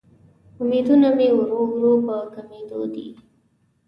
امیدونه مې ورو ورو په کمیدو دې